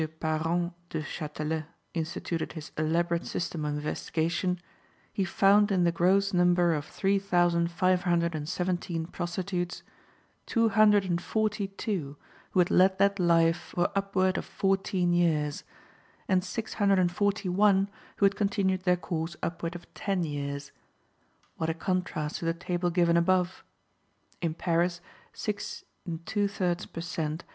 Parent Duchatelet instituted his elaborate system of investigation, he found in the gross number of 3517 prostitutes, two hundred and forty two who had led that life for upward of fourteen years, and six hundred and forty one who had continued their course upward of ten years. What a contrast to the table given above! In Paris, 6 2/3 per cent.